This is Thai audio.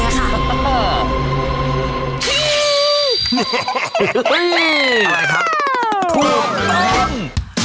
อะไรครับ